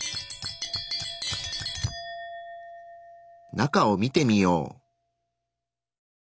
中を見てみよう。